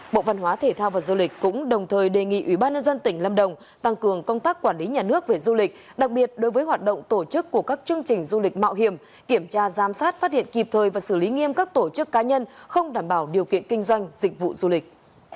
bộ văn hóa thể thao và du lịch cũng đồng thời đề nghị ủy ban nhân dân tỉnh lâm đồng tăng cường công tác quản lý nhà nước về du lịch đặc biệt đối với hoạt động tổ chức của các chương trình du lịch mạo hiểm kiểm tra giám sát phát hiện kịp thời và xử lý nghiêm các tổ chức cá nhân không đảm bảo điều kiện kinh doanh dịch vụ du lịch